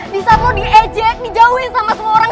di saat lu diejek dijauhin sama semua orang